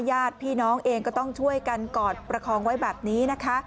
ญาติพี่น้องเองก็ต้องช่วยกันกอดประคองไว้แบบนี้นะคะ